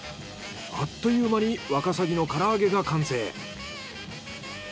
あっという間にワカサギの唐揚げが完成。